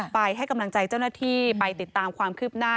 ไปให้กำลังใจเจ้าหน้าที่ไปติดตามความคืบหน้า